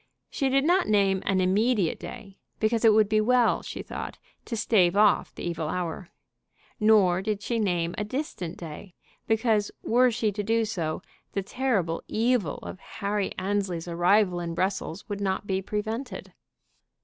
She did not name an immediate day, because it would be well, she thought, to stave off the evil hour. Nor did she name a distant day, because, were she to do so, the terrible evil of Harry Annesley's arrival in Brussels would not be prevented.